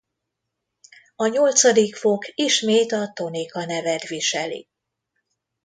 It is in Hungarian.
A nyolcadik fok ismét a tonika nevet viseli.